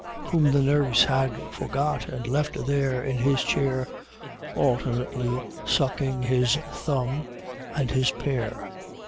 Whom the nurse had forgot and left there in his chair, Alternately sucking his thumb and his pear.